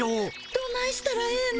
どないしたらええの？